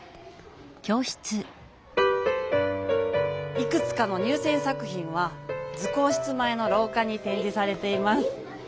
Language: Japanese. いくつかの入せん作品は図工室前のろうかにてんじされています。